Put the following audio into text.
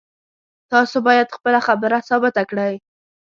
تاسو باید خپله خبره ثابته کړئ